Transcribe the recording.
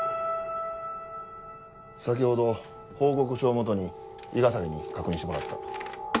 先ほど報告書を基に伊賀崎に確認してもらった。